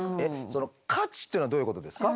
その価値っていうのはどういうことですか？